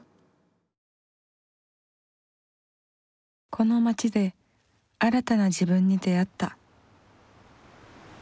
この街で新たな自分に出会った。